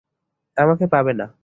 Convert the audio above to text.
আমাকে পাবে না।